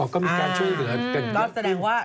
อ๋อก็มีการช่วยเหลือเกินเยอะกว่าก็แสดงว่า